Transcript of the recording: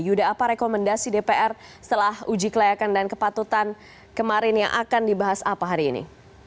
yuda apa rekomendasi dpr setelah uji kelayakan dan kepatutan kemarin yang akan dibahas apa hari ini